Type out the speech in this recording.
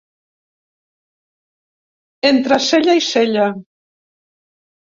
Entre cella i cella.